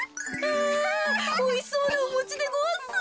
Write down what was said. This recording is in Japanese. あおいしそうなおもちでごわす。